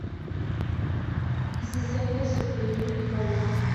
Is the Savior supreme in your love?